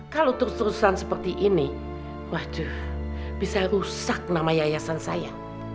kalau terus terusan seperti ini wajah bisa rusak nama yayasan saya